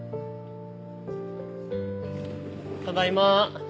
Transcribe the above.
ただいま。